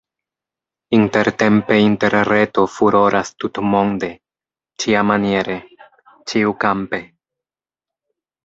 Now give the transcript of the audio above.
Intertempe Interreto furoras tutmonde, ĉiamaniere, ĉiukampe.